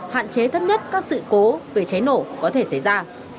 hạn chế thấp nhất các sự cố về cháy nổ có thể xảy ra